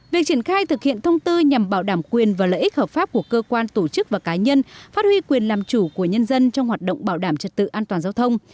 việc triển khai thực hiện thông tư nhằm bảo đảm quyền và lợi ích hợp pháp của cơ quan tổ chức và cá nhân phát huy quyền làm chủ của nhân dân trong hoạt động bảo đảm trật tự an toàn giao thông